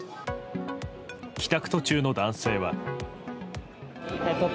帰宅途中の男性は。